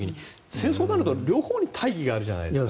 戦争になると両方に大義があるじゃないですか。